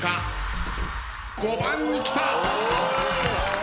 ５番に来た！